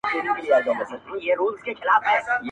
د ښکلیو نجونو شاپېریو وطن!.